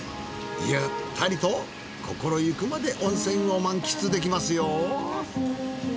ゆったりと心ゆくまで温泉を満喫できますよ。